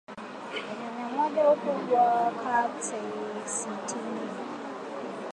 Nyanya moja ukubwa wa kati sitinig